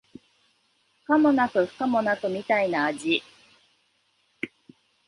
可もなく不可もなくみたいな味